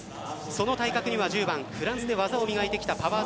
その対角には、１０番フランスで技を磨いてきたパワー